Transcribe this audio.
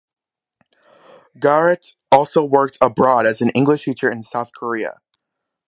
Garratt also worked abroad as an English teacher in South Korea.